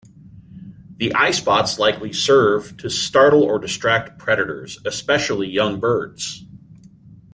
The eyespots likely serve to startle or distract predators, especially young birds.